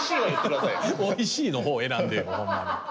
おいしいのほう選んでよほんまに。